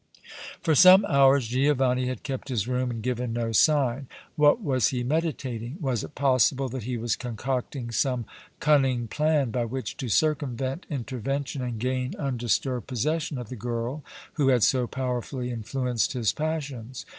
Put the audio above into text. For some hours Giovanni had kept his room and given no sign. What was he meditating? Was it possible that he was concocting some cunning plan by which to circumvent intervention and gain undisturbed possession of the girl who had so powerfully influenced his passions?